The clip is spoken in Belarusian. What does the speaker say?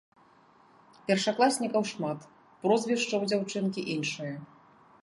Першакласнікаў шмат, прозвішча ў дзяўчынкі іншае.